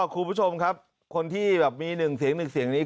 คุณผู้ชมครับคนที่แบบมี๑เสียง๑เสียงนี้